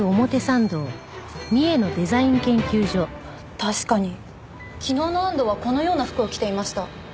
確かに昨日の安藤はこのような服を着ていました。